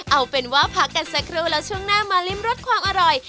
เอาเป็นว่าพักกันสักครู่แล้วช่วงหน้ามาริมรสความอร่อย